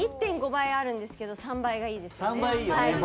１．５倍あるんですけど３倍がいいですね。